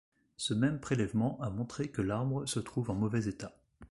Ce même prélèvement a montré que l'arbre se trouve en mauvais état.